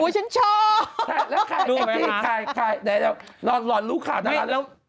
ฉันชอบดูไหมคะไม่รอนรุขาวน่ะ